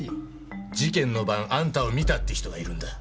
事件の晩あんたを見たって人がいるんだ。